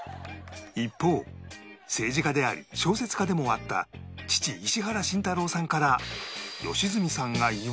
一方政治家であり小説家でもあった父石原慎太郎さんから